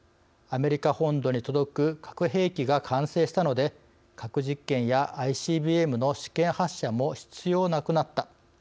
アメリカ本土に届く核兵器が完成したので核実験やＩＣＢＭの試験発射も必要なくなった。